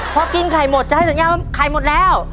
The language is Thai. พอกินไข่หมดจะให้สัญญาว่าไข่หมดแล้ว